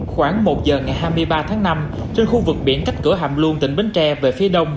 khoảng một giờ ngày hai mươi ba tháng năm trên khu vực biển cách cửa hàm luôn tỉnh bến tre về phía đông